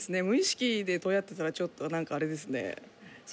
無意識で、ドヤってたらちょっと、なんかあれですね。